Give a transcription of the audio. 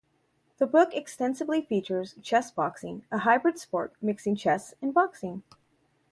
The book extensively features chess boxing, a hybrid sport mixing chess and boxing.